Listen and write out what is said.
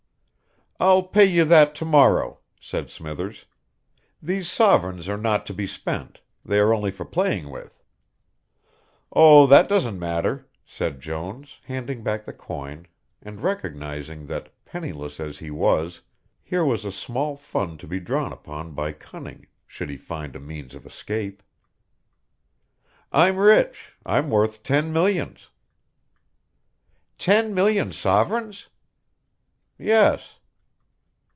"I'll pay you that to morrow," said Smithers; "these sovereigns are not to be spent, they are only for playing with." "Oh, that doesn't matter," said Jones, handing back the coin, and recognising that, penniless as he was, here was a small fund to be drawn upon by cunning, should he find a means of escape. "I'm rich. I'm worth ten millions." "Ten million sovereigns?" "Yes."